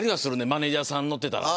マネジャーさんが乗っていたら。